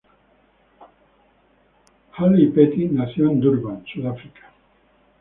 Haylett-Petty nació en Durban, Sudáfrica.